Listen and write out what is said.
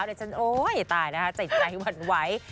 เดี๋ยวฉันโอ๊ยตายนะคะจิตใจหวั่นไหว